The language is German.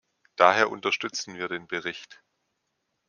Daher unterstützen wir den Bericht.